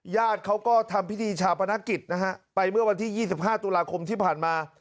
ญาติเขาก็ทำพิธีชาปนกิจนะฮะไปเมื่อวันที่๒๕ตุลาคมที่ผ่านมา